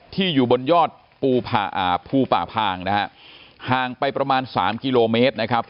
ที่อยู่บนยอดภูป่าพ่างนะครับห่างไปประมาณ๓กิโลเมตรนะครับ